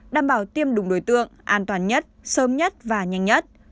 đảm bảo tiêm đúng đối tượng an toàn nhất sớm nhất và nhanh nhất